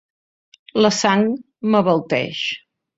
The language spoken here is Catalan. La sang m'abalteix.